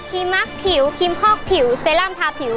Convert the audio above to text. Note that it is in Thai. มักผิวครีมคอกผิวเซรั่มทาผิว